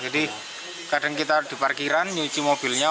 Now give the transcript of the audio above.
kadang kita di parkiran nyuci mobilnya